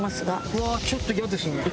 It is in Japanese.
うわーちょっとイヤですね。